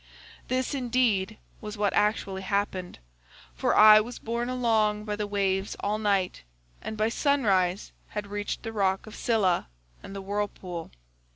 This indeed was what actually happened, for I was borne along by the waves all night, and by sunrise had reached the rock of Scylla, and the whirlpool.